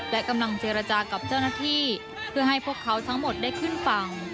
และกำลังเจรจากับเจ้าหน้าที่เพื่อให้พวกเขาทั้งหมดได้ขึ้นฝั่ง